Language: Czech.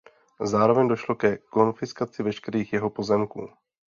Zároveň došlo ke konfiskaci veškerých jeho pozemků.